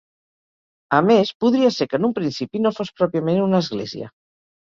A més, podria ser que en un principi no fos pròpiament una església.